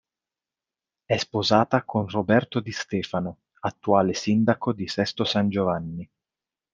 È sposata con Roberto Di Stefano, attuale sindaco di Sesto San Giovanni.